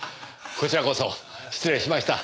こちらこそ失礼しました。